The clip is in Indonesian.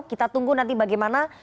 kita tunggu nanti bagaimana